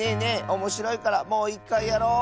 おもしろいからもういっかいやろう！